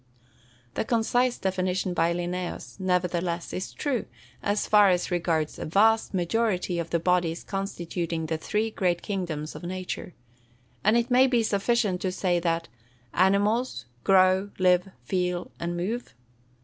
The concise definition by Linnæus, nevertheless, is true, as far as regards a vast majority of the bodies constituting the three great kingdoms of nature. And it may be sufficient to say that Animals grow, live, feel, and move.